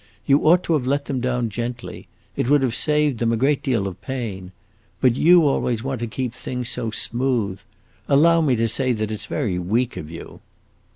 You ought to have let them down gently; it would have saved them a great deal of pain. But you always want to keep things so smooth! Allow me to say that it 's very weak of you."